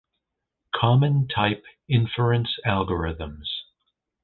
common type inference algorithms